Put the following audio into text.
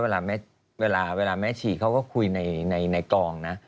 เวลาแม่ชีเขาก็คุยในกองนะ